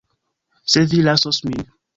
Se vi lasos min.